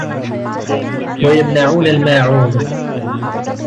ويمنعون الماعون